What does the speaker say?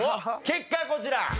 結果こちら。